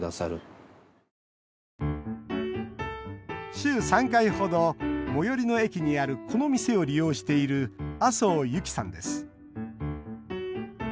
週３回程、最寄りの駅にあるこの店を利用している麻生侑希さんです。